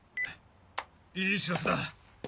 いい知らせだ。